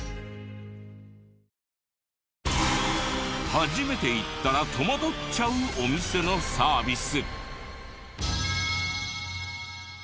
初めて行ったら戸惑っちゃうお店のサービス。